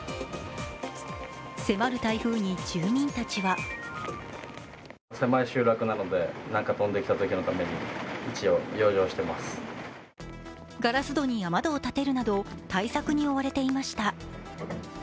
迫る台風に住民たちはガラス戸に雨戸を立てるなど対策に追われていました。